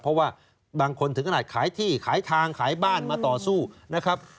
เพราะว่าบางคนถึงขนาดขายที่ขายทางขายบ้านมาต่อสู้นะครับ